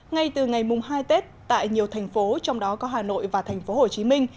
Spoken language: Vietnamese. ngay từ ngày mùng hai tết tại nhiều thành phố trong đó có hà nội và thành phố hồ chí minh